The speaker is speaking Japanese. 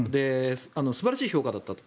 素晴らしい評価だったと。